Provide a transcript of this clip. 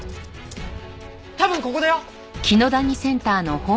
多分ここだよ！